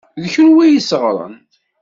D kunwi i y-isseɣren.